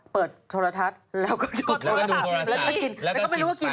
เปิดโทรทัศน์แล้วก็ดูโทรธรรม